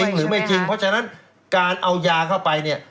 หรือไม่จริงเพราะฉะนั้นการเอายาเข้าไปเนี่ย